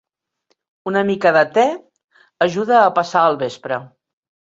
Una mica de te ajuda a passar el vespre.